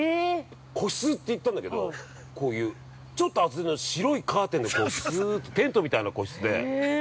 個室って言ったんだけど、こういう、ちょっと厚めの白いカーテンで、こう、すうっとテントみたいな個室で。